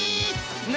何？